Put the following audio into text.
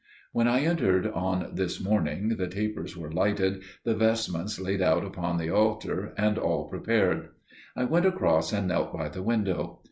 When I entered on this morning the tapers were lighted, the vestments laid out upon the altar, and all prepared. I went across and knelt by the window.